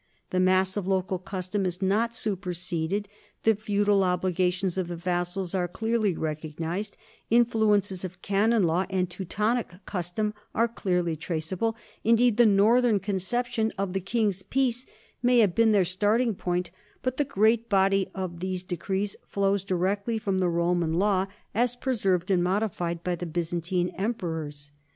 The mass of local custom is not superseded, the feudal obligations of the vassals are clearly recognized, influences of canon law and Teutonic custom are clearly traceable, indeed the northern conception of the king's peace may have been their starting point; but the great body of these de crees flows directly from the Roman law, as preserved THE NORMAN KINGDOM OF SICILY 231 and modified by the Byzantine emperors.